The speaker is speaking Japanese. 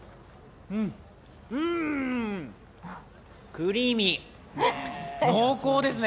クリーミー、濃厚ですね。